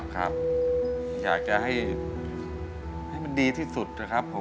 ครับอยากจะให้มันดีที่สุดนะครับผม